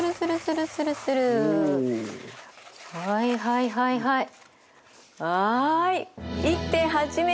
はいはいはいはいはい。